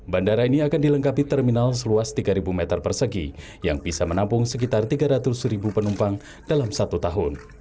bandara ini akan dilengkapi terminal seluas tiga meter persegi yang bisa menampung sekitar tiga ratus ribu penumpang dalam satu tahun